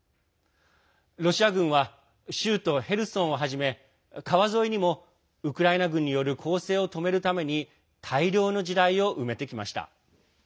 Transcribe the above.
ロシア軍は州都ヘルソンをはじめ川沿いにもウクライナ軍による攻勢を止めるために大量の地雷を埋めてきました。